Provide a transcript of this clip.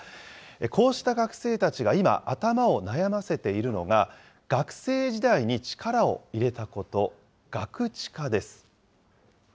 こうした学生たちが今、頭を悩ませているのが、学生時代に力を入れたこと、ガクチカです。